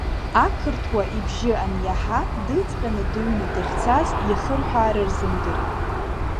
Ақырҭуа ибжьы аниаҳа дыҵҟьаны дыҩны дахьцаз, иахырҳәаара рзымдырит.